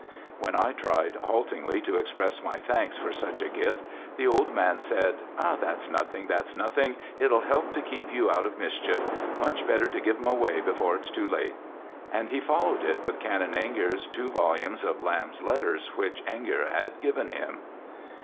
When I tried, haltingly, to express my thanks for such a gift, the old man said "That's nothing! That's nothing! It'll help to keep you out of mischief. Much better to give 'em away before it's too late!" And he followed it with Canon Ainger's two volumes of Lamb's letters, which Ainger had given him.